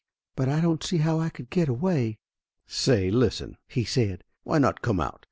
"But I don't see how I could get away." "Say, listen !" he said. "Why not come out